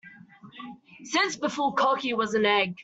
Since before cocky was an egg.